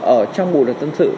ở trong bộ luật tân sự